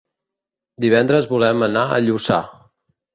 Divendres volem anar a Lluçà.